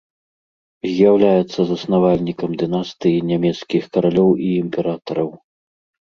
З'яўляецца заснавальнікам дынастыі нямецкіх каралёў і імператараў.